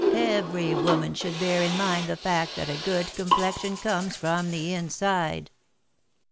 Every woman should bear in mind the fact that a good complexion comes from the inside.'"